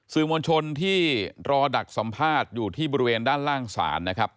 สื่อมวลชนที่รอดักสัมภาษณ์อยู่ที่บริเวณด้านล่างศาลนะครับ